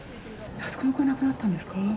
あそこの子、亡くなったんですか？